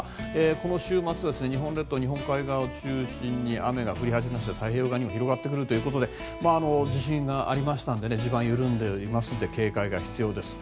この週末、日本列島日本海側を中心に雨が降り始めまして太平洋側にも広がりまして地震があり地盤が緩んでおりますので警戒が必要です。